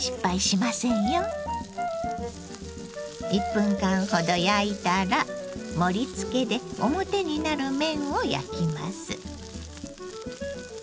１分間ほど焼いたら盛りつけで表になる面を焼きます。